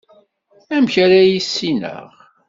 Amak ara issineɣ?